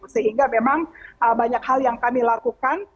sehingga memang banyak hal yang kami lakukan